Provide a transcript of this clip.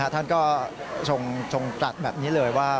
ท่านก็ทรงตรัสแบบนี้เลยว่า